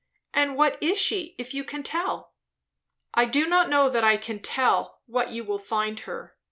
"And what is she, if you can tell?" "I do not know that I can tell, what you will find her.